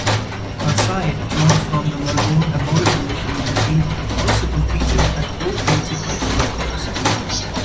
A side drawn from the Melbourne Aboriginal community also competed at both Multicultural Cups.